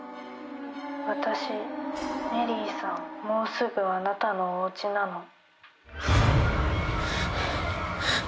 もうすぐあなたのお家なの」